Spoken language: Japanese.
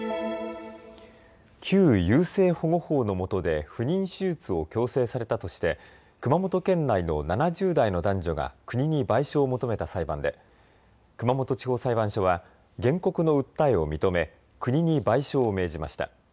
旧優生保護法のもとで不妊手術を強制されたとして熊本県内の７０代の男女が国に賠償を求めた裁判で熊本地方裁判所は原告の訴えを認め、国に賠償を命じました。